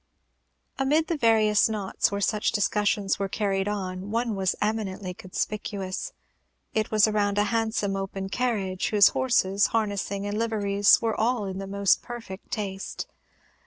Amidst the various knots where such discussions were carried on, one was eminently conspicuous. It was around a handsome open carriage, whose horses, harnessing, and liveries were all in the most perfect taste.